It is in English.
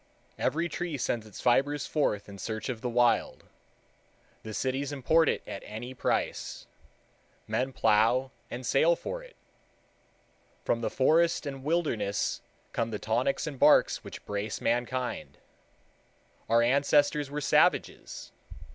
Every tree sends its fibers forth in search of the Wild. The cities import it at any price. Men plow and sail for it. From the forest and wilderness come the tonics and barks which brace mankind. Our ancestors were savages.